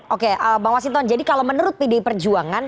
oke bang wasinton jadi kalau menurut pdi perjuangan